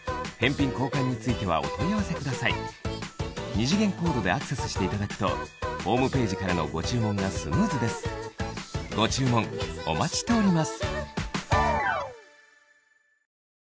二次元コードでアクセスしていただくとホームページからのご注文がスムーズですご注文お待ちしております